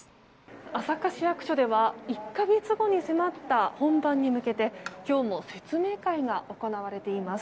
朝霞市役所では１か月後に迫った本番に向けて今日も説明会が行われています。